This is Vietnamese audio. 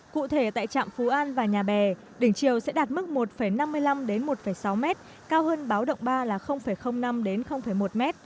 cụ thể tại trạm phú an và nhà bè đỉnh triều sẽ đạt mức một năm mươi năm một sáu m cao hơn báo động ba là năm một m